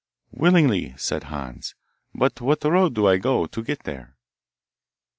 'Willingly,' said Hans; 'but what road do I go, to get there?